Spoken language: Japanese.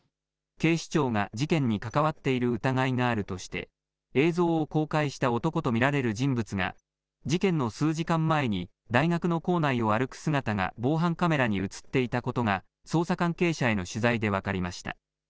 警視庁が事件に関わっている疑いがあるとして、映像を公開した男と見られる人物が、事件の数時間前に大学の構内を歩く姿が防犯カメラに写っていたことが、捜査関係者への取材で分かりました。